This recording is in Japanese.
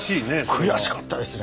悔しかったですね。